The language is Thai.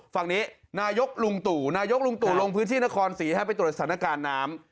ฝั่งนี้นายกลุงตู่นายกลุงตู่ลงพื้นที่นครศรีให้ไปตรวจสถานการณ์น้ำ